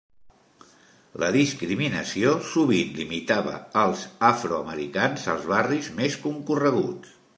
La discriminació sovint limitava els afroamericans als barris més concorreguts.